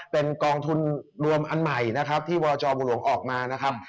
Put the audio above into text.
เป็นกองทุนรวมอันใหม่นะครับที่วจบุหลวงออกมานะครับ